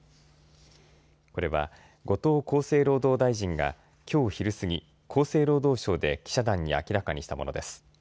これは後藤厚生労働大臣がきょう昼過ぎ厚生労働省で記者団に明らかにしたものです。